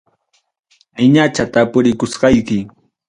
Niñacha tapurikusqayki.